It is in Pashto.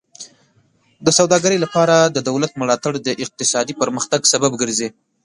د سوداګرۍ لپاره د دولت ملاتړ د اقتصادي پرمختګ سبب ګرځي.